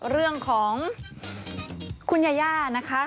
เรื่องของคุณยาย่านะคะ